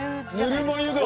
ぬるま湯だ！